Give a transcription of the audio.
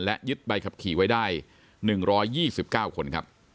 และยึดใบขับขี่ไว้ได้๑๒๙คนครับ